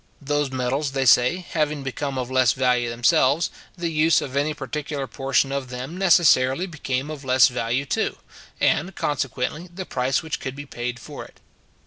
Those metals, they say, having become of less value themselves, the use of any particular portion of them necessarily became of less value too, and, consequently, the price which could be paid for it.